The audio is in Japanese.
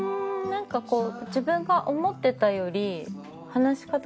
なんかこう自分が思ってたより。